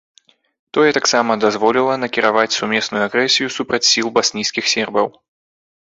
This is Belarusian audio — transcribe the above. Тое таксама дазволіла накіраваць сумесную агрэсію супраць сіл баснійскіх сербаў.